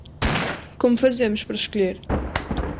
Como fazemos para escolher?